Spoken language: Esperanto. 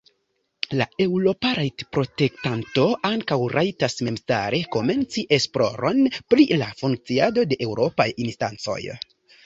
La Eŭropa Rajtoprotektanto ankaŭ rajtas memstare komenci esploron pri la funkciado de Eŭropaj instancoj.